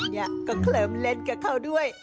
เนี่ยก็เคลิมเล่นกับเขาด้วย